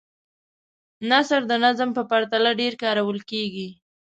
نثر د نظم په پرتله ډېر کارول کیږي.